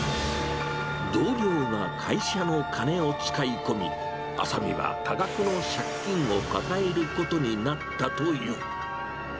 同僚が会社の金を使い込み、浅見は多額の借金を抱えることになったという。